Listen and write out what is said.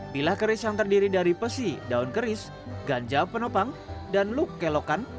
pilah keris yang terdiri dari pesi daun keris ganja penopang dan luk kelokan